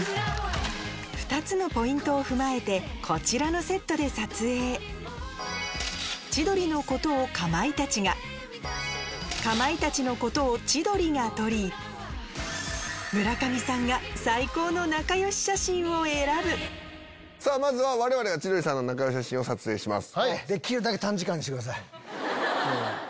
２つのポイントを踏まえてこちらのセットで撮影千鳥のことをかまいたちがかまいたちのことを千鳥が撮り村上さんがまずは我々が千鳥さんの仲良し写真を撮影します。